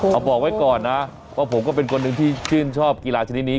เอาบอกไว้ก่อนนะว่าผมก็เป็นคนหนึ่งที่ชื่นชอบกีฬาชนิดนี้